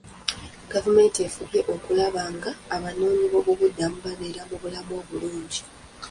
Gavumenti efubye okulaba nga abanoonyiboobubudamu babeera mu bulamu obulungi.